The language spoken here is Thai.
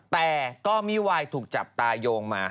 แต่ก็มิวายถูกจับตายงมา